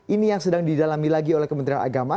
ini yang sedang didalami lagi oleh kementerian agama